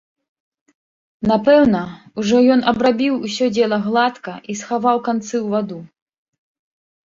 Напэўна, ужо ён абрабіў усё дзела гладка і схаваў канцы ў ваду.